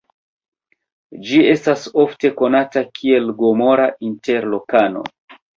Ĝi estas ofte konata kiel "Gomora" inter lokanoj.